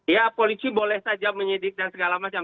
ya polisi boleh saja menyidik dan segala macam